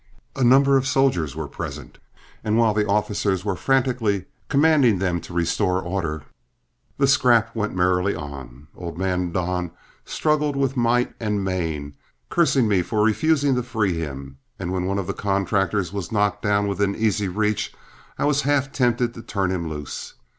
A number of soldiers were present, and while the officers were frantically commanding them to restore order, the scrap went merrily on. Old man Don struggled with might and main, cursing me for refusing to free him, and when one of the contractors was knocked down within easy reach, I was half tempted to turn him loose.